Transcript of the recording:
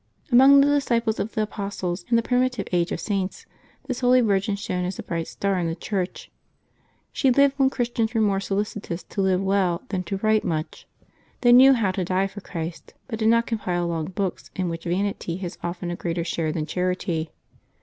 JUTmong the disciples of the apostles in the primitive 5—A age of saints this holy virgin shone as a bright star in the Church. She lived when Christians were more solicitous to live well than to write much : they knew how to die for Christ, but did not compile long books in which vanity has often a greater share than charity.